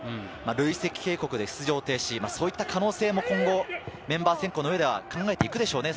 累積警告で出場停止、そういった可能性も今後メンバー選考の上では考えていくでしょうね。